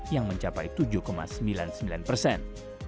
yang mencapai tujuh sembilan puluh sembilan persen